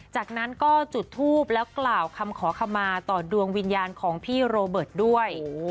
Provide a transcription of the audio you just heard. จากนั้นก็จุดทูปแล้วกล่าวคำขอขมาต่อดวงวิญญาณของพี่โรเบิร์ตด้วย